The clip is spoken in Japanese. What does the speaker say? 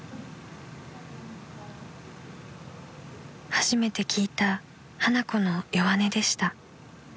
［初めて聞いた花子の弱音でした］